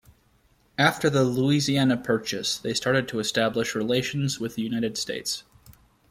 After the Louisiana Purchase, they started to establish relations with the United States.